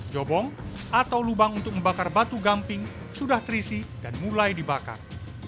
jobong atau lubang untuk membakar batu gamping sudah terisi dan mulai dibakar